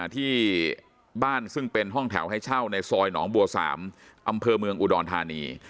ที่บ้านซึ่งเป็นห้องแถวให้เช่าในซอยหนองบัว๓อำเภอเมืองอุดรธานี